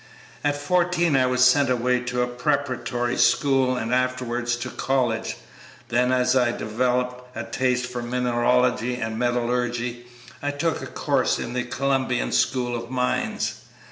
At fourteen I was sent away to a preparatory school, and afterwards to college. Then, as I developed a taste for mineralogy and metallurgy, I took a course in the Columbian School of Mines.